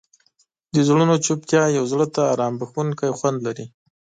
د غرونو چوپتیا یو زړه ته آرام بښونکی خوند لري.